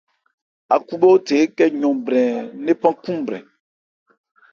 Ákhúbhɛ́óthe ékɛ yɔn brɛn ńnephan khúúnbrɛn.